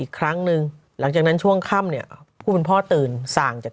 อีกครั้งหนึ่งหลังจากนั้นช่วงค่ำเนี่ยผู้เป็นพ่อตื่นสั่งจาก